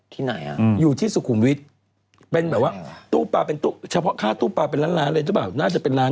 ที่ไหนอ่ะอยู่ที่สุขุมวิทย์เป็นแบบว่าตู้ปลาเป็นตู้เฉพาะค่าตู้ปลาเป็นล้านล้านเลยหรือเปล่าน่าจะเป็นล้าน